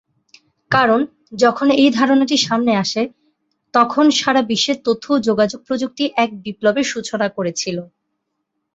কারণ যখন এই ধারণাটি সামনে আসে, তখন সারা বিশ্বে তথ্য ও যোগাযোগ প্রযুক্তি এক বিপ্লবের সূচনা করেছিল।